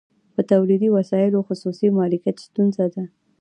په تولیدي وسایلو خصوصي مالکیت ستونزه ده